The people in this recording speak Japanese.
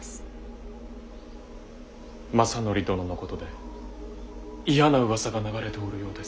政範殿のことで嫌なうわさが流れておるようです。